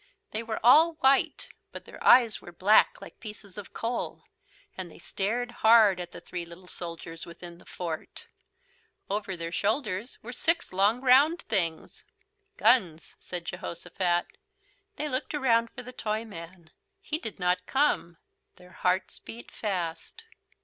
They were all white, but their eyes were black like pieces of coal, and they stared hard at the three little soldiers within the fort. Over their shoulders were six long round things. "Guns," said Jehosophat. They looked around for the Toyman. He did not come. Their hearts beat fast.